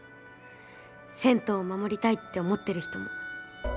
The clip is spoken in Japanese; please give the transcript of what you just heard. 銭湯を守りたいと思っている人も。